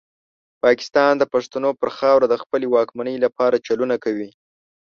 پاکستان د پښتنو پر خاوره د خپلې واکمنۍ لپاره چلونه کوي.